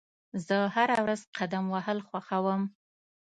زه هره ورځ قدم وهل خوښوم.